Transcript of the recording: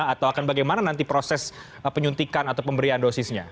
atau akan bagaimana nanti proses penyuntikan atau pemberian dosisnya